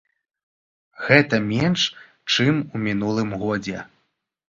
Гэта менш, чым у мінулым годзе.